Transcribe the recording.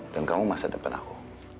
dan kamu masa depan aku